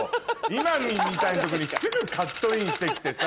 今みたいなとこにすぐカットインして来てさ。